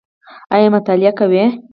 ایا مطالعه کوئ؟